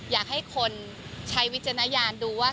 อยากให้คนใช้วิจารณญาณดูว่า